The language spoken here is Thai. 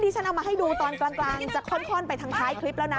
ฉันเอามาให้ดูตอนกลางจะค่อนไปทางท้ายคลิปแล้วนะ